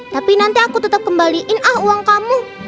tapi nanti aku tetap kembaliin ah uang kamu